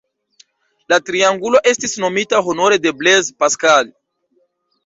La triangulo estis nomita honore de Blaise Pascal.